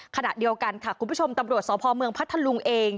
ขณะเดียวกันค่ะคุณผู้ชมตำรวจสพเมืองพัทธลุงเอง